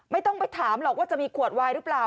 ไม่ต้องไปถามหรอกว่าจะมีขวดวายหรือเปล่า